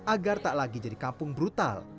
agar tak lagi jadi kampung brutal